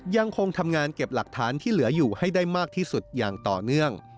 ยังคงทำงานเก็บหลักฐานที่เหลืออยู่ให้ได้มากที่สุดอย่างต่อเนื่อง